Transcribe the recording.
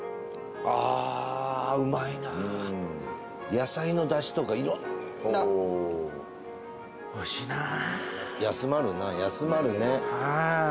野菜のだしとかいろんなおいしいなあ